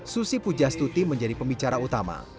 susi pujastuti menjadi pembicara utama